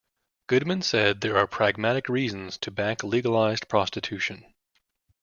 Goodman said there are pragmatic reasons to back legalized prostitution.